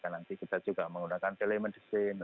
nanti kita juga menggunakan telemedicine